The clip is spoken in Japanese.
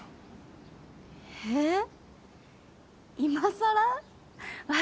えっ？